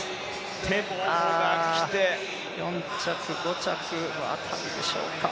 テボゴが来てあ、４着５着辺りでしょうか。